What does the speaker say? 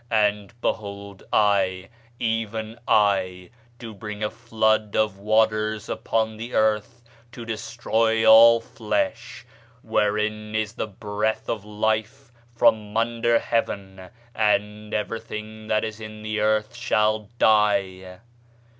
And, behold, I, even I, do bring a flood of waters upon the earth, to destroy all flesh, wherein is the breath of life, from under heaven; and everything that is in the earth shall die.